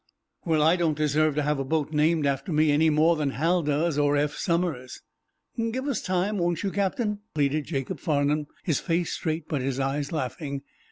"Well, I don't deserve to have a boat named after me any more than Hal does, or Eph Somers." "Give us time, won't you, Captain?" pleaded Jacob Farnum, his face straight, but his eyes laughing.